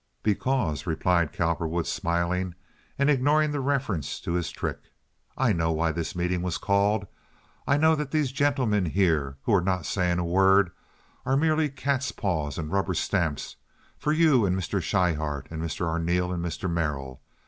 "Because," replied Cowperwood, smiling, and ignoring the reference to his trick, "I know why this meeting was called. I know that these gentlemen here, who are not saying a word, are mere catspaws and rubber stamps for you and Mr. Schryhart and Mr. Arneel and Mr. Merrill.